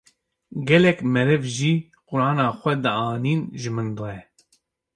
Gelek meriv jî Qu’rana xwe dianîn ji min re.